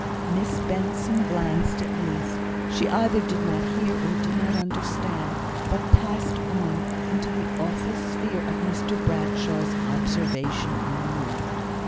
Miss Benson glanced at Ruth; she either did not hear or did not understand, but passed on into the awful sphere of Mr Bradshaw's observation unmoved.